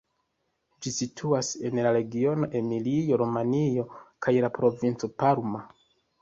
Ĝi situas en la regiono Emilio-Romanjo kaj la provinco Parma.